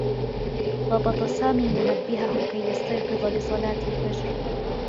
ضبط سامي منبّهه كي يستيقظ لصلاة الفجر.